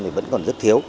thì vẫn còn rất thiếu